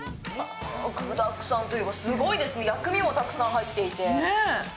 具だくさんというか、すごいですね、薬味もたくさん入っていて。